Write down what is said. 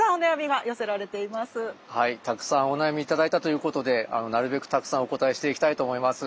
はいたくさんお悩み頂いたということでなるべくたくさんお答えしていきたいと思います。